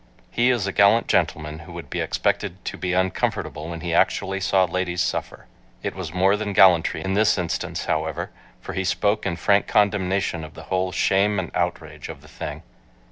He is a gallant gentleman who would be expected to be uncomfortable when he actually saw ladies suffer. It was more than gallantry in this instance, however, for he spoke in frank condemnation of the whole "shame and outrage" of the thing.